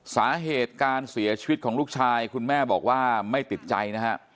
สาเหตุการเสียชีวิตของลูกชายคุณแม่บอกว่าไม่ติดใจนะฮะ